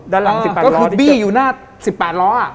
ด้านหลังสิบแปดล้อก็ถูกบี้อยู่หน้าสิบแปดล้ออ่ะ